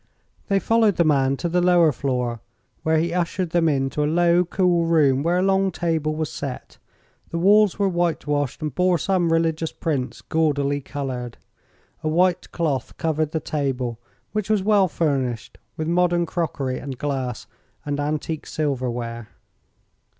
They followed the man to the lower floor, where he ushered them into a low, cool room where a long table was set. The walls were whitewashed and bore some religious prints, gaudily colored. A white cloth covered the table, which was well furnished with modern crockery and glass, and antique silverware.